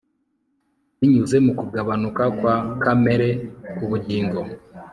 Binyuze mu kugabanuka kwa kamere kubugingo